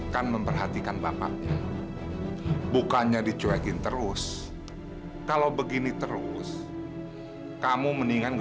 sampai jumpa di video selanjutnya